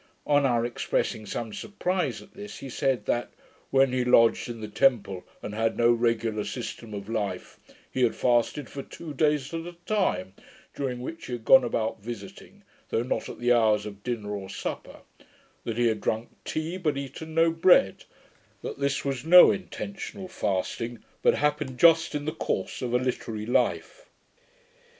On our expressing some surprise at this, he said, that, 'when he lodged in the Temple, and had no regular system of life, he had fasted for two days at a time, during which he had gone about visiting, though not at the hours of dinner or supper; that he had drunk tea, but eaten no bread; that this was no intentional fasting, but happened just in the course of a literary life'.